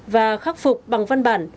và khắc phục bằng văn bản